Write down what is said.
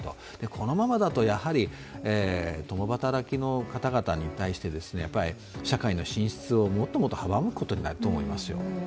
このままだと共働きの方々に対して社会の進出をもっともっと阻むことになると思いますよ。